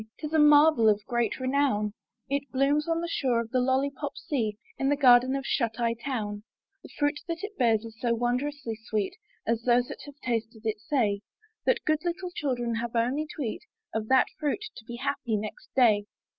Tis a marvel of great renown: It blooms on the shore of the LoUypop sea In the garden of Shut Eye Town; The fruit that it bears is so wondrously sweet (As those that have tasted it say) That good little children have only to eat Of that fruit to be happy next day.